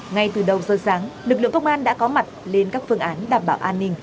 ngay từ đầu giờ sáng lực lượng công an đã có mặt lên các phương án đảm bảo an ninh